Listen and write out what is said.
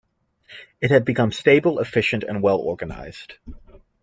It had become stable, efficient, and well organized.